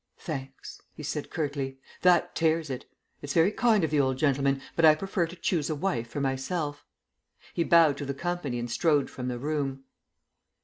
"Thanks," he said curtly. "That tears it. It's very kind of the old gentleman, but I prefer to choose a wife for myself." He bowed to the company and strode from the room.